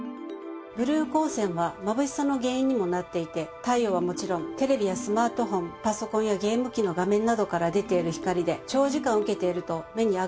ブルー光線はまぶしさの原因にもなっていて太陽はもちろんテレビやスマートフォンパソコンやゲーム機の画面などから出ている光で。